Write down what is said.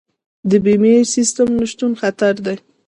د بیمې سیستم نشتون خطر دی.